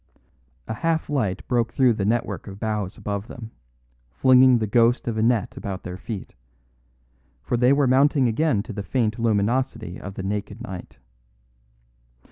A half light broke through the network of boughs above them, flinging the ghost of a net about their feet; for they were mounting again to the faint luminosity of the naked night.